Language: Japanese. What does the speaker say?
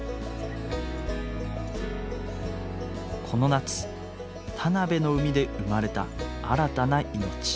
この夏田辺の海で産まれた新たな命。